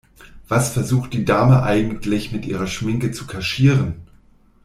Was versucht die Dame eigentlich mit ihrer Schminke zu kaschieren?